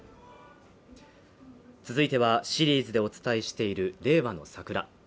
続いては、シリーズでお伝えしている「令和のサクラ」